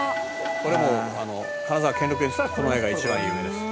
「これもう金沢兼六園っつったらこの画が一番有名です」